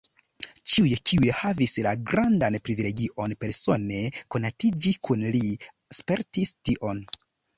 Ĉiuj, kiuj havis la grandan privilegion persone konatiĝi kun li, spertis tion.